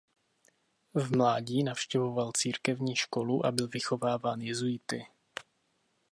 V mládí navštěvoval církevní školu a byl vychováván jezuity.